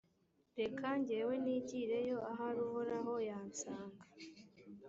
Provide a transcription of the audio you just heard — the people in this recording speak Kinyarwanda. reka njyewe nigireyo, ahari uhoraho yansanga.